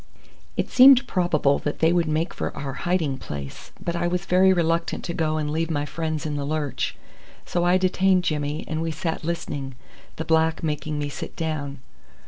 It seemed probable that they would make for our hiding place, but I was very reluctant to go and leave my friends in the lurch, so I detained Jimmy and we sat listening, the black making me sit down.